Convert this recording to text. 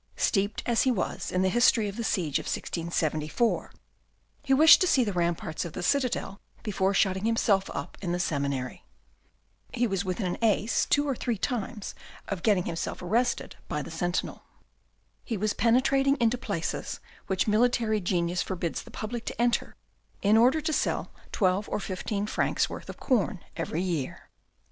Steeped as he was in the history of the siege of 1674, he wished to see the ramparts of the citadel before shutting himself up in the seminary. He was within an ace two or three times of getting himself arrested by the sentinel. He was penetrating into places which military genius forbids the public to enter, in order to sell twelve or fifteen francs worth of corn every year.